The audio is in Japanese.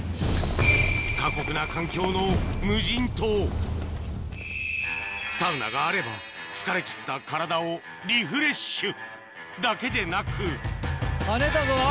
過酷な環境の無人島サウナがあれば疲れきった体をリフレッシュだけでなく跳ねたぞ。